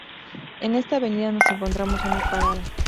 En esta avenida nos encontramos una parada.